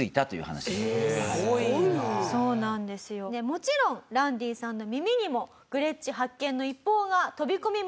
もちろんランディさんの耳にもグレッチ発見の一報が飛び込みました。